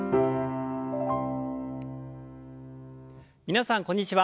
皆さんこんにちは。